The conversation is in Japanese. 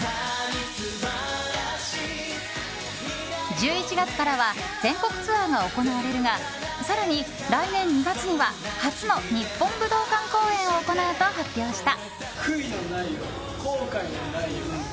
１１月からは全国ツアーが行われるが更に来年２月には初の日本武道館公演を行うと発表した。